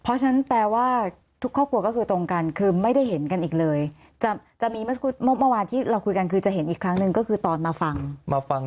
เพราะฉะนั้นแปลว่าทุกครอบครัวก็คือตรงกันคือไม่ได้เห็นกันอีกเลยจะมีเมื่อเมื่อวานที่เราคุยกันคือจะเห็นอีกครั้งหนึ่งก็คือตอนมาฟังมาฟัง